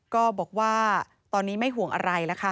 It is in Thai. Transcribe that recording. ก็บอกว่าตอนนี้ไม่ห่วงอะไร